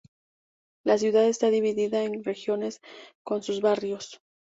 La ciudad está dividida en regiones con sus barrios.